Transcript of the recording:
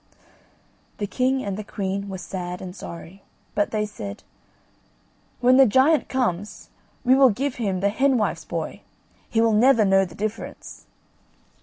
The king and the queen were sad and sorry, but they said: "When the giant comes we will give him the hen wife's boy; he will never know the difference."